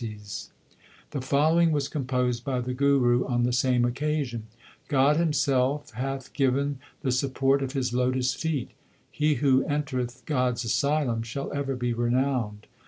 14 THE SIKH RELIGION The following was composed by the Guru on the same occasion : God Himself hath given the support of His lotus feet. He who entereth God s asylum shall ever be renowned.